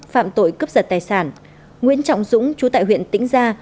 phạm tội cướp giật tài sản nguyễn trọng dũng chú tại huyện tĩnh gia